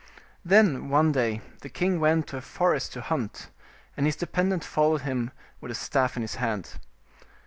Then, one day the king went to a forest to hunt, and his dependent followed him with a staff in his hand.